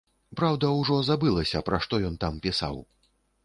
Праўда, ужо забылася, пра што ён там пісаў.